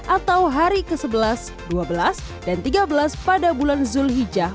atau hari ke sebelas dua belas dan tiga belas pada bulan zulhijjah